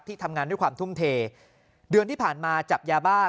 ทำงานด้วยความทุ่มเทเดือนที่ผ่านมาจับยาบ้า